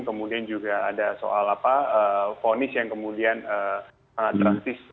kemudian juga ada soal ponis yang kemudian sangat drastis